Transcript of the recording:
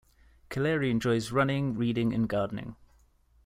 Kaleri enjoys running, reading and gardening.